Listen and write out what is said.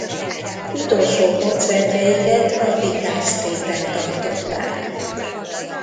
Utolsó koncertjeiket a Vicar Street-en tartották.